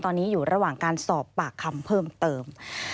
ตอนนี้อยู่ระหว่างการสอบปากคำเพิ่มเติม